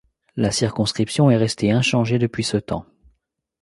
La circonscription est restée inchangée depuis ce temps.